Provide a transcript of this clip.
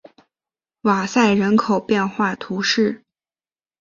瓦塞人口变化图示